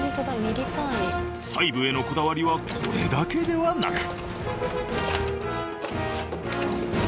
細部へのこだわりはこれだけではなく。